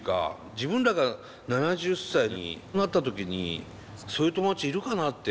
自分らが７０歳になった時にそういう友達いるかなって。